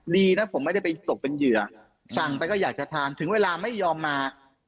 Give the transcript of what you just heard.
ดีนะผมไม่ได้ไปตกเป็นเหยื่อสั่งไปก็อยากจะทานถึงเวลาไม่ยอมมา